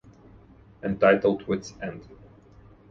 Entitled Wit's End?